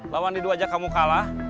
lawan didu aja kamu kalah